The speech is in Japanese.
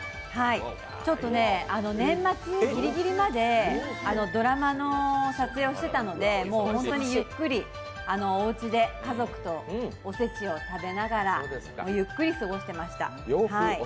年末ぎりぎりまでドラマの撮影をしていたのでホントにゆっくり、おうちで家族とおせちを食べながらゆっくり過ごしていました。